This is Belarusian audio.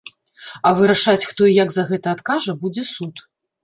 А вырашаць, хто і як за гэта адкажа, будзе суд.